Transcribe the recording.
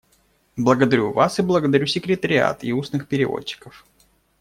Благодарю вас и благодарю секретариат и устных переводчиков.